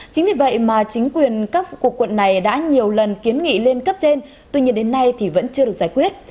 chính vì vậy mà chính quyền cấp của quận này đã nhiều lần kiến nghị lên cấp trên tuy nhiên đến nay thì vẫn chưa được giải quyết